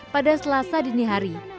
pada selasa dini hari